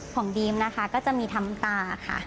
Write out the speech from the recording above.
ของดีมนะคะก็จะมีทั้งน้ำตาค่ะ